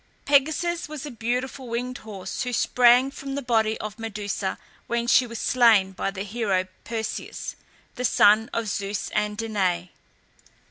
Pegasus was a beautiful winged horse who sprang from the body of Medusa when she was slain by the hero Perseus, the son of Zeus and Danaë.